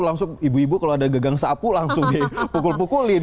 langsung ibu ibu kalau ada gagang sapu langsung dipukul pukulin